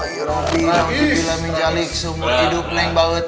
apa yang orang bilang jika menjalik seumur hidup neng baut